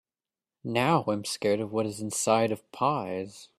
Now, I’m scared of what is inside of pies.